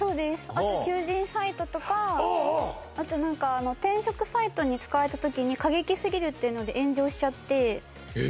あと求人サイトとかあと何か転職サイトに使われた時に過激すぎるっていうので炎上しちゃって・えっ？